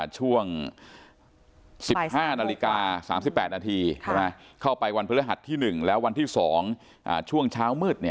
ช่วง๑๕นาฬิกา๓๘นาทีเข้าไปวันพฤหัสที่๑แล้ววันที่๒ช่วงเช้ามืด